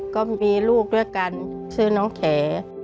ก็มีลูกด้วยกันชื่อน้องแข